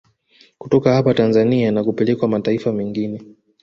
Kutoka hapa Tanzania na kupelekwa mataifa mengine